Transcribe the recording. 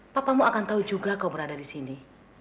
papamu akan tahu juga kau berada di sini